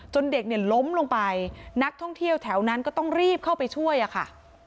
เด็กเนี่ยล้มลงไปนักท่องเที่ยวแถวนั้นก็ต้องรีบเข้าไปช่วยอะค่ะ